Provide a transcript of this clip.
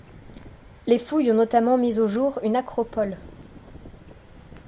Les fouilles ont notamment mis au jour une acropole.